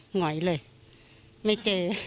หอยเลยไม่เจอ